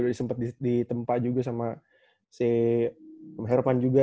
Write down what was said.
udah sempet ditempah juga sama si om herman juga